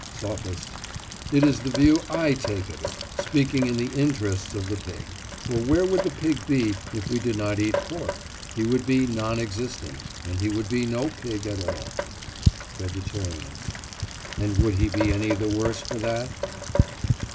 SOPHIST: It is the view I take of it, speaking in the interests of the pig. For where would the pig be if we did not eat pork? He would be non existent; he would be no pig at all. VEGETARIAN: And would he be any the worse for that?